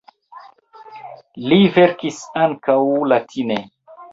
Li verkis ankaŭ latine.